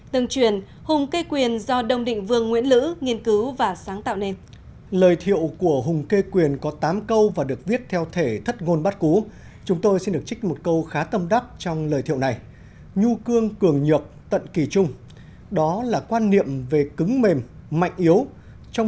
từng truyền hùng cây quyền do đông định vương nguyễn lữ nghiên cứu và sáng tạo nên